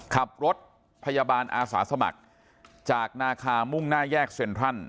ขับรถพยาบาลอาสาสมัครจากนาคามุ่งหน้าแยกเซ็นทรัล